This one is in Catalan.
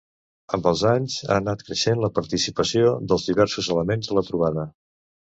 Amb els anys ha anat creixent la participació dels diversos elements a la trobada.